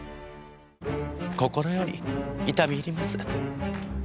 心より痛み入ります。